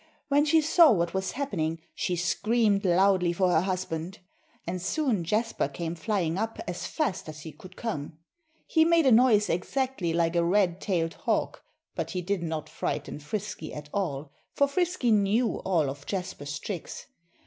When she saw what was happening she screamed loudly for her husband. And soon Jasper came flying up as fast as he could come. He made a noise exactly like a red tailed hawk; but he did not frighten Frisky at all, for Frisky knew all of Jasper's tricks.